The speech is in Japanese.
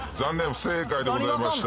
不正解でございました。